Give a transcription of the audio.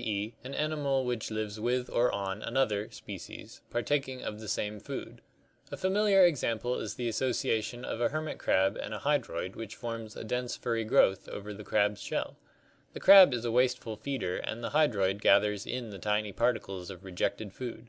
e., an animal which lives with or on another (species), partaking of the same food. A familiar example is the association of a hermit crab and a hydroid which forms a dense furry growth over the crab's shell. CLASSIFICATION OF ORGANISMS 41 The crab is 3 wasteful feeder and the hydroid gathers in the tiny particles of rejected food.